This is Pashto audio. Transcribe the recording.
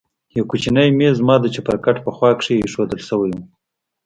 يو کوچنى ميز زما د چپرکټ په خوا کښې ايښوول سوى و.